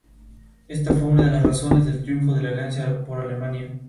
Esta fue una de las razones del triunfo de la Alianza por Alemania.